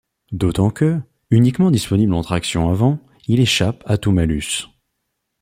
D'autant que, uniquement disponible en traction avant, il échappe à tout malus.